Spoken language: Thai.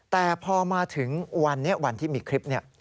แต่พอมาถึงวันที่มีคลิปเนี่ย